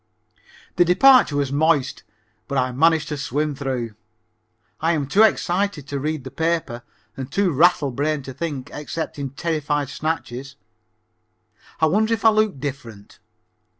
The departure was moist, but I managed to swim through. I am too excited to read the paper and too rattle brained to think except in terrified snatches. I wonder if I look different.